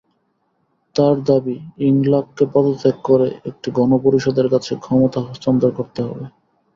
তাঁর দাবি, ইংলাককে পদত্যাগ করে একটি গণপরিষদের কাছে ক্ষমতা হস্তান্তর করতে হবে।